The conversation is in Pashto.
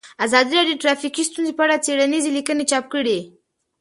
ازادي راډیو د ټرافیکي ستونزې په اړه څېړنیزې لیکنې چاپ کړي.